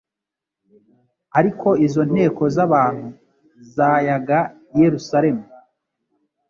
Ariko izo nteko z'abantu zayaga i Yerusalemu,